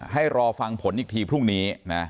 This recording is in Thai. ให้รอฟังผลอีกทีพรุ่งนี้นะ